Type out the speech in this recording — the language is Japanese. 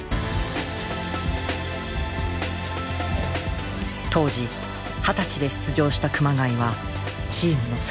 当時二十歳で出場した熊谷はチームの最年長に。